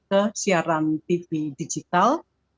ke siaran tv digital